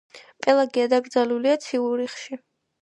პელაგია დაკრძალულია ციურიხში.